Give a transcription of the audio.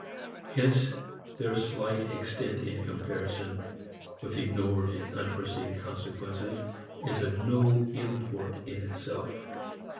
Hence their slight extent in comparison with ignored and unforeseen consequences is of no import in itself.